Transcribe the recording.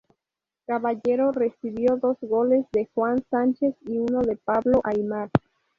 Caballero recibió dos goles de Juan Sánchez y uno de Pablo Aimar.